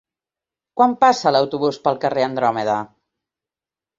Quan passa l'autobús pel carrer Andròmeda?